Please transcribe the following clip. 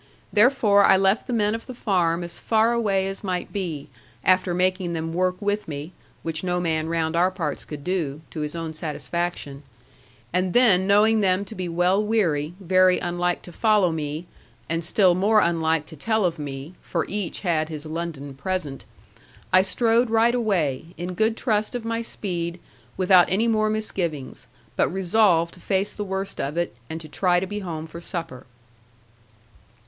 Therefore I left the men of the farm as far away as might be, after making them work with me (which no man round our parts could do, to his own satisfaction), and then knowing them to be well weary, very unlike to follow me and still more unlike to tell of me, for each had his London present I strode right away, in good trust of my speed, without any more misgivings; but resolved to face the worst of it, and to try to be home for supper.